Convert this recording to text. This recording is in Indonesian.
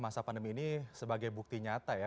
masa pandemi ini sebagai bukti nyata ya